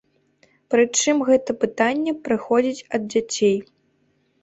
Прычым гэтыя пытанні прыходзяць ад дзяцей.